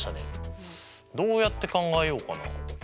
どうやって考えようかな。